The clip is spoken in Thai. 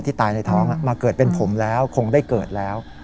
ตายในท้องมาเกิดเป็นผมแล้วคงได้เกิดแล้ว